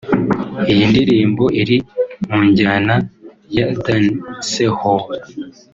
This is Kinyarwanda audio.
iyi ndirimbo iri mu njyana ya Dancehall